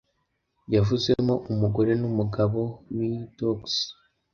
yavuzemo umugore n’umugabo b’i docks